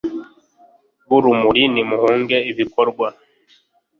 b'urumuri, nimuhunge ibikorwa